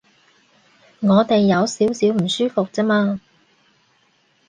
我哋有少少唔舒服啫嘛